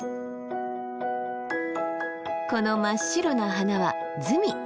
この真っ白な花はズミ。